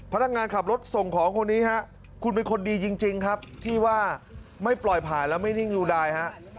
พนักงานขับรถส่งของคนนี้ฮะคุณเป็นคนดีจริงครับที่ว่าไม่ปล่อยผ่านแล้วไม่นิ่งอยู่ได้ฮะ